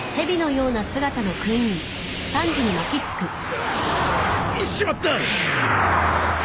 うわっしまった！